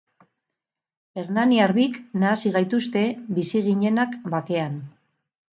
Hernaniar bik nahasi gaituzte bizi ginenak bakean.